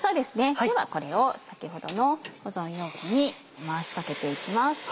ではこれを先ほどの保存容器に回しかけていきます。